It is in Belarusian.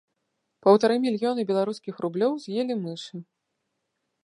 Паўтары мільёны беларускіх рублёў з'елі мышы.